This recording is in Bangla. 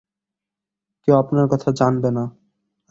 কেউ আপনার কথা জানবে না।